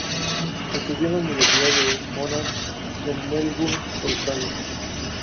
Estudió en la universidad de Monash en Melbourne, Australia.